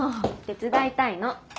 手伝いたいの。